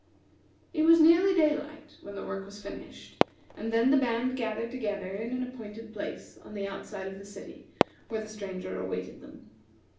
It was nearly daylight when the work was finished; and then the band gathered together in an appointed place on the outside of the city, where the Stranger awaited them.